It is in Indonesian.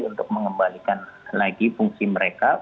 untuk mengembalikan lagi fungsi mereka